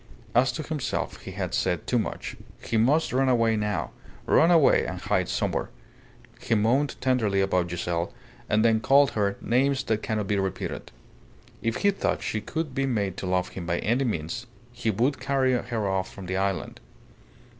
As to himself, he had said too much. He must run away now run away and hide somewhere. He moaned tenderly about Giselle, and then called her names that cannot be repeated. If he thought she could be made to love him by any means, he would carry her off from the island.